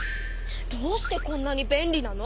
どうしてこんなに便利なの？